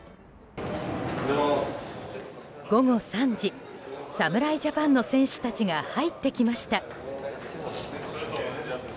午後３時、侍ジャパンの選手たちが入ってきました。